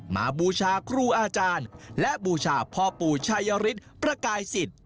บูชาครูอาจารย์และบูชาพ่อปู่ชายฤทธิ์ประกายสิทธิ์